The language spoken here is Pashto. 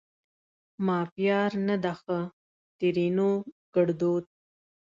ما پیار نه ده ښه؛ ترينو ګړدود